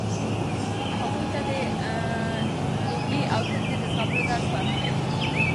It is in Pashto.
هغوی ته د لوږې او تندې د زغملو درس ورکړئ.